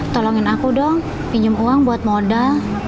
tolongin aku dong pinjam uang buat modal